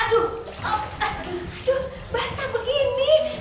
aduh basah begini